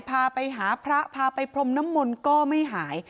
พาไปหาพระพาไปพรมน้ำมนต์ก็ไม่หาย